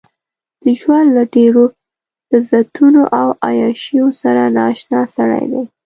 د ژوند له ډېرو لذتونو او عياشيو سره نااشنا سړی دی.